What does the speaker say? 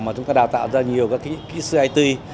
mà chúng ta đào tạo ra nhiều các kỹ sư it